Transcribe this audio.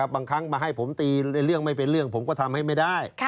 บางครั้งมาให้ผมตีเรื่องไม่เป็นเรื่องผมก็ทำให้ไม่ได้